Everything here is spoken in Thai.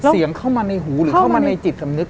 เข้ามาในหูหรือเข้ามาในจิตสำนึก